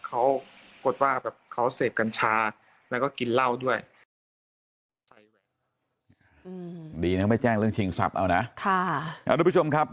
เขากดว่าเขาเสพกันชาแล้วก็กินเหล้าด้วย